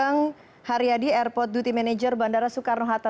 pak suga hariadi airport duty manager bandara soekarno hatta